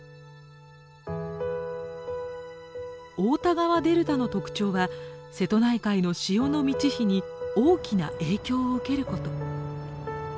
太田川デルタの特徴は瀬戸内海の潮の満ち干に大きな影響を受けること。